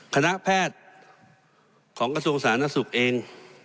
คณะแพทย์ของกระทรวงศาลนักศึกเอง